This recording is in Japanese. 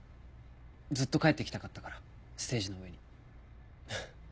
ずっと帰ってきたかったからステージの上に。